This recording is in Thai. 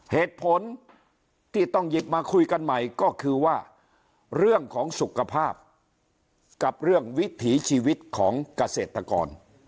เหตุผลที่ต้องหยิบมาคุยกันใหม่ก็คือว่าเรื่องของสุขภาพกับเรื่องวิถีชีวิตของเกษตรกร